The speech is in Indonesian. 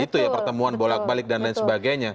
itu ya pertemuan bolak balik dan lain sebagainya